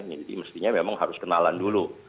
jadi mestinya memang harus kenalan dulu